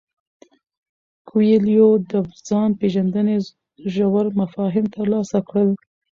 کویلیو د ځان پیژندنې ژور مفاهیم ترلاسه کړل.